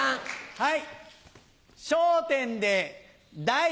はい。